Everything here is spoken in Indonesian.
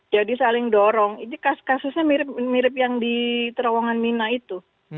jadi saling dorong ini kasusnya mirip yang di terowongan mina itu